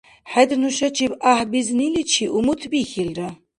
ХӀед нушачиб гӀяхӀбизниличи умутбихьилра!